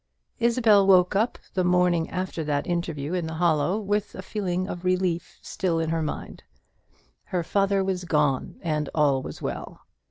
Isabel woke upon the morning after that interview in the Hollow, with a feeling of relief still in her mind. Her father was gone, and all was well.